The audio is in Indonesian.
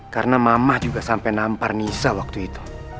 karena mama juga sampe nampar nisa waktu itu